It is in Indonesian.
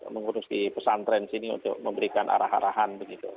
mengurus di pesantren sini untuk memberikan arahan arahan